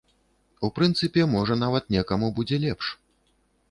У прынцыпе, можа, нават некаму будзе лепш.